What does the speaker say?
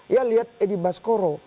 ya lihat edi baskoro